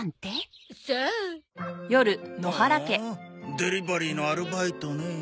デリバリーのアルバイトねえ。